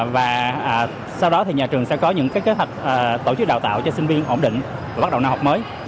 và sau đó thì nhà trường sẽ có những cái kế hoạch tổ chức đào tạo cho sinh viên ổn định và bắt đầu nào học mới